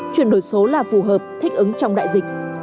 chuyển đổi số là phù hợp thích ứng trong đại dịch